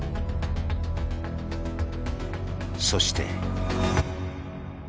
そして。